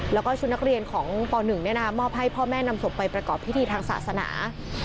แล้วก็ชุดนักเรียนของป๑มอบให้พ่อแม่นำศพไปประกอบพิธีทางศาสนา